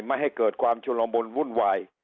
ไม่ให้เกิดความชุลมุนวุ่นวาย